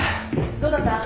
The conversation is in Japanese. どうだった？